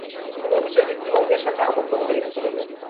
তিনি অভিজাত ব্যক্তিবর্গের সাথে আমোদ-প্রমোদে লিপ্ত হতেন।